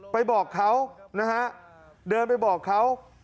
บอกเขานะฮะเดินไปบอกเขา